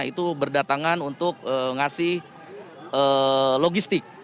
itu berdatangan untuk ngasih logistik